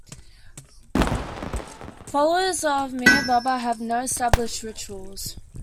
Followers of Meher Baba have no established rituals.